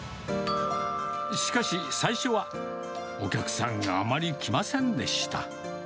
しかし最初は、お客さんがあまり来ませんでした。